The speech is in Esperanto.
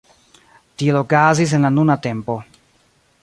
Tiel okazis en la nuna tempo.